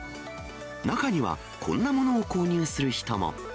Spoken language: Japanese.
中にはこんなものを購入する人も。